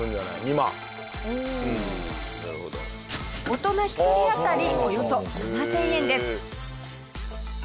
大人１人当たりおよそ７０００円です。